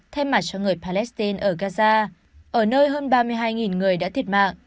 thay mặt cho người palestine ở gaza ở nơi hơn ba mươi hai người đã thiệt mạng